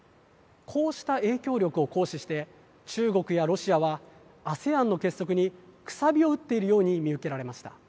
こうした影響力を行使して中国やロシアはＡＳＥＡＮの結束にくさびを打っているように見受けられました。